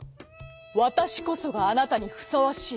「わたしこそがあなたにふさわしい」。